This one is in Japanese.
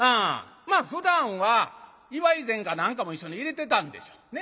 ふだんは祝い膳か何かも一緒に入れてたんでしょうね。